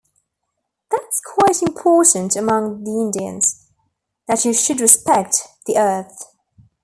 That's quite important among the Indians: that you should respect the earth.